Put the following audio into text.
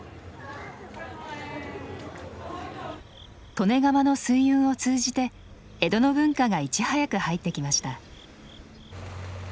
利根川の水運を通じて江戸の文化がいち早く入ってきました。